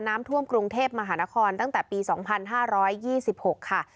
น้ำท่วมกรุงเทพมหานครตั้งแต่ปีสองพันห้าร้อยยี่สิบหกค่ะ